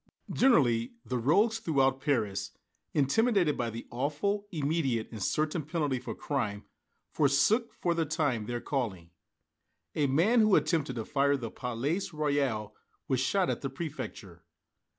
Generally, the rogues throughout Paris, intimidated by the awful, immediate and certain penalty for crime, forsook, for the time, their calling. A man who attempted to fire the Palais Royal was shot at the Préfecture.